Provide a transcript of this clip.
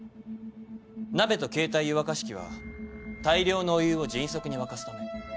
鍋と携帯湯沸かし器は大量のお湯を迅速に沸かすため。